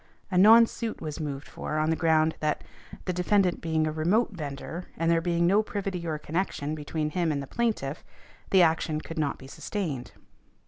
A non suit was moved for on the ground, that defendant being a remote vendor and there being no privity or connection between him and the plaintiff, the action could not be sustained.